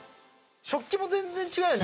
食器も全然違うよね。